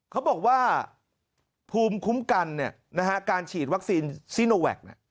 เขาบอกว่าภูมิคุ้มกันเนี่ยนะฮะการฉีดวัคซีนโซโนแวคเนี่ย